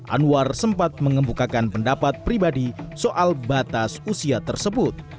anwar sempat mengembukakan pendapat pribadi soal batas usia tersebut